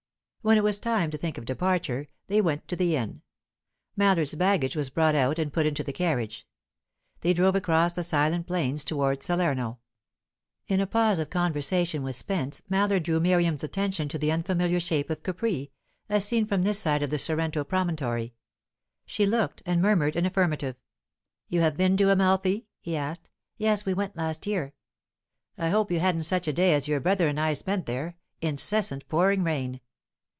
When it was time to think of departure, they went to the inn; Mallard's baggage was brought out and put into the carriage. They drove across the silent plain towards Salerno. In a pause of his conversation with Spence, Mallard drew Miriam's attention to the unfamiliar shape of Capri, as seen from this side of the Sorrento promontory. She looked, and murmured an affirmative. "You have been to Amalfi?" he asked. "Yes; we went last year." "I hope you hadn't such a day as your brother and I spent there incessant pouring rain."